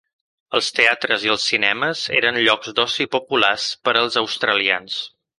Els teatres i els cinemes eren llocs d'oci populars per als australians.